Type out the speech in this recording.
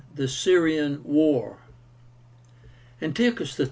THE SYRIAN WAR. Antiochus III.